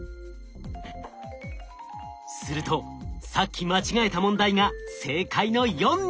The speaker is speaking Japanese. するとさっき間違えた問題が正解の４に！